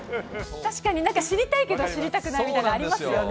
確かになんか知りたいけど、知りたくないみたいなのありますよね。